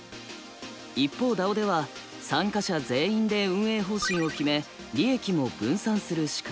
一方ＤＡＯでは参加者全員で運営方針を決め利益も分散する仕組み。